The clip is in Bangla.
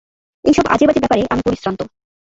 এই সব আজে-বাজে ব্যাপারে আমি পরিশ্রান্ত।